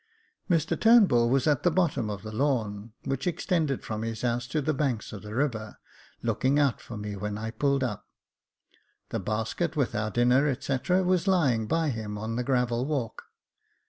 Mr Turnbull was at the bottom of the lawn, which extended from his house to the banks of the river, looking out for me when I pulled up. The basket with our dinner, &c., was lying by him on the gravel walk.